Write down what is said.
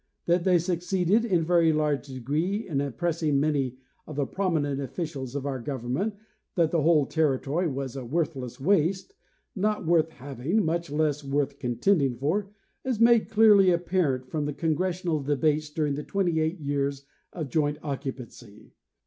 That they succeeded in a very large degree in impressing many of the prominent officials of our government that the whole territory was a worthless waste, not worth hay ing, much less worth contending' for, is made clearly apparent 254 John H. Mitchell— Oregon from the congressional debates during the twenty eight years of joint occupancy.